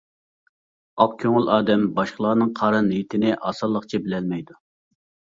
ئاق كۆڭۈل ئادەم باشقىلارنىڭ قارا نىيىتىنى ئاسانلىقچە بىلەلمەيدۇ.